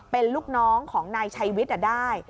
เป็นลูกน้องของนายชัยวิทย์ได้